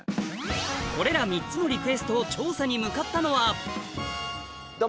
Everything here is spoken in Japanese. これら３つのリクエストを調査に向かったのはどうも。